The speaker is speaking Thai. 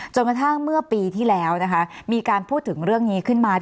จนกระทั่งเมื่อปีที่แล้วนะคะมีการพูดถึงเรื่องนี้ขึ้นมา